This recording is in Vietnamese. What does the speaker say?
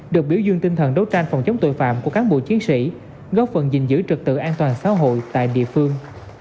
được biểu dương tinh thần đấu tranh phòng chống tội phạm của cán bộ chiến sĩ góp phần gìn giữ trực tự an toàn xã hội tại địa phương